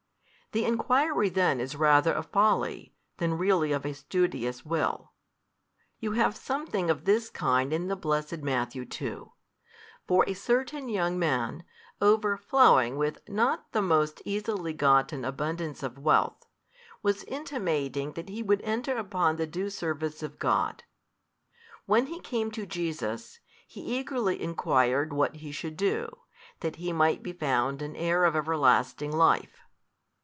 The enquiry then is rather of folly, than really of a studious will. You have |357 something of this kind in blessed Matthew too. For a certain young man, overflowing with not the most easily gotten abundance of wealth, was intimating that he would enter upon the due service of God. When he came to Jesus, he eagerly enquired what he should do, that he might be found an heir of everlasting life.